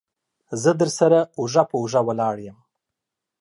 زه درسره اوږه په اوږه ولاړ يم.